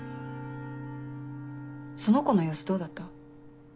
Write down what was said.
その子の様子どうだった？